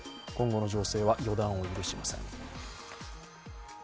今後の情勢は予断を許しません。